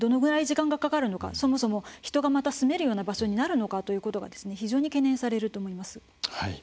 そもそも人がまた住めるような場所になるのかということが非常に懸念されると思います。